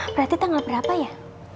berarti tanggal berapa ya